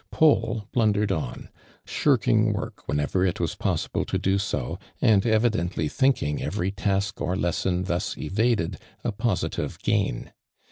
Paul blundered on, shnking work when ever it was possible to do «o, and evidently thinking every task or lesson thus evaded, a positive gain.